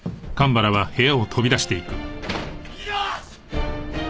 よし！